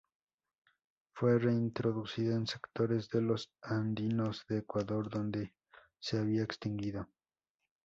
Fue reintroducida en sectores de los andinos de Ecuador, donde se había extinguido.